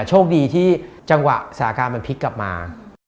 โชคดีที่จังหวะสถานการณ์มันพลิกกลับมา